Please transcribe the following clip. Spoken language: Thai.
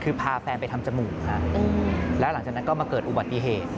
คือพาแฟนไปทำจมูกแล้วหลังจากนั้นก็มาเกิดอุบัติเหตุ